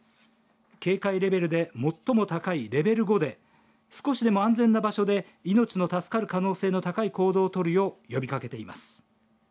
警戒レベルで最も高いレベル５で少しでも安全な場所で命の助かる可能性の高い行動を取るよう呼びかけています。